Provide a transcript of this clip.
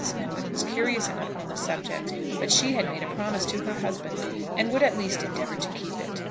Fenwick was curious enough on the subject, but she had made a promise to her husband, and would at least endeavour to keep it.